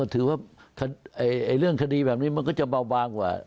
ถือว่าเรื่องคดีแบบนี้มันก็จะเบาบางกว่า